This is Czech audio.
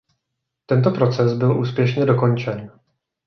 Tento proces byl úspěšně dokončen.